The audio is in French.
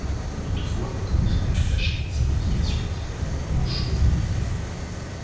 Toutefois la doctrine a attaché une signification différente aux mots choses et biens.